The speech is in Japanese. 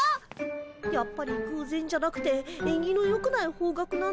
やっぱりぐうぜんじゃなくてえんぎのよくない方角なんだ。